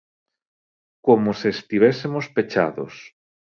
Como se estivésemos pechados.